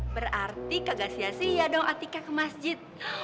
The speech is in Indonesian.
berarti kagak sia sia dong atika ke masjid